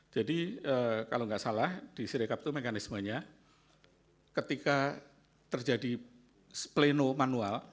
jadi kalau tidak salah di sirikap itu mekanismenya ketika terjadi pleno manual